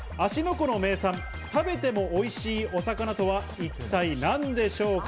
湖の名産、食べてもおいしいお魚とは一体何でしょうか。